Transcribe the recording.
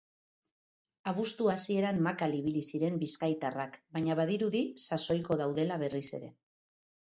Abuztu hasieran makal ibili ziren bizkaitarrak baina badirudi sasoiko daudela berriz ere.